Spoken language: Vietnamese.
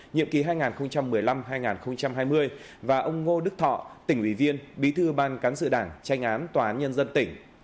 nhiệm ký hai nghìn một mươi năm hai nghìn hai mươi và ông ngô đức thọ tỉnh ủy viên bí thư ban cán sự đảng tranh án tòa án nhân dân tỉnh